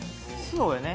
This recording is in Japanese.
そうやね。